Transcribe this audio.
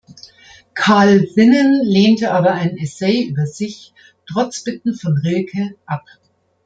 Carl Vinnen lehnte aber ein Essay über sich, trotz Bitten von Rilke, ab.